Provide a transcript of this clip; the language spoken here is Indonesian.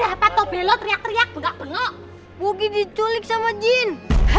ada apa tobelo teriak teriak nggak penuh bugi diculik sama jin